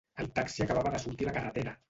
"El taxi acabava de sortir a la carretera".